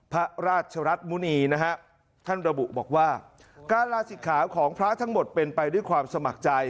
พระราชรัฐมุณีนะฮะท่านระบุบอกว่าการลาศิกขาของพระทั้งหมดเป็นไปด้วยความสมัครใจ